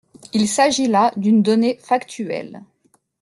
Il s’agit là d’une donnée factuelle.